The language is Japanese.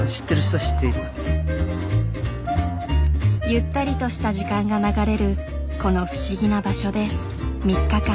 ゆったりとした時間が流れるこの不思議な場所で３日間。